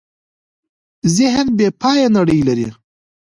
ذهن بېپایه نړۍ لري.